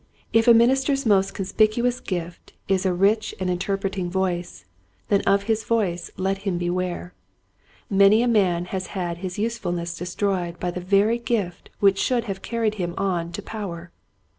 If a minister's most conspicu ous gift is a rich and interpreting voice, then of his voice let him beware. Many a man has had his usefulness destroyed by the very gift which should have carried him on to power.